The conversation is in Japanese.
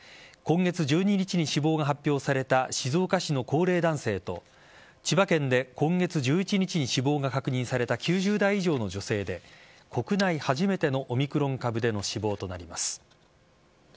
今月１２日に死亡が発表された静岡市の高齢男性と千葉県で今月１１日に死亡が確認された９０代以上の女性で国内初めてのオミクロン株での死亡となります。